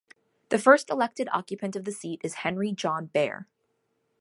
The first elected occupant of the seat is Henry John Bear.